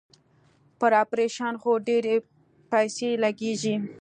پر اپرېشن خو ډېرې پيسې لگېږي.